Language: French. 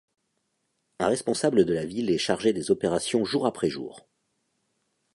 Un responsable de la ville est chargé des opérations jour après jour.